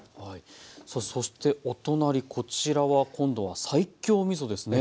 さあそしてお隣こちらは今度は西京みそですね。